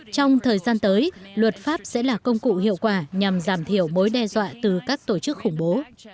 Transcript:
trong thời gian tới luật pháp sẽ là công cụ hiệu quả nhằm giảm thiểu mối đe dọa từ các tổ chức khủng bố